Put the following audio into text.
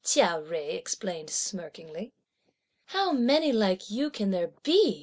Chia Jui explained smirkingly. "How many like you can there be!"